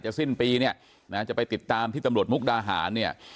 สิ้นปีเนี่ยนะจะไปติดตามที่ตำรวจมุกดาหารเนี่ย